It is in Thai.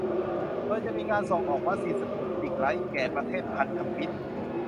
โดยจะมีการส่งออกวัคซีนสปุตนิก ไลท์ แก่ประเทศพันธมิตร